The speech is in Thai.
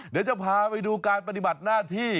เดี๋ยวจะพาไปดูการปฏิบัติหน้าที่